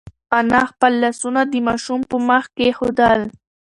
انا خپل لاسونه د ماشوم په مخ کېښودل.